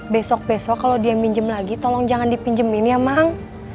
besok besok kalau dia minjem lagi tolong jangan dipinjemin ya mang